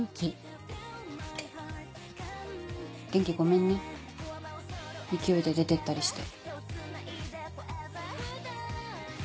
元気ごめんね勢いで出ていったりして。